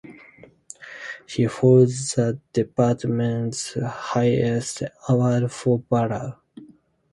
He holds the Department's highest award for valor.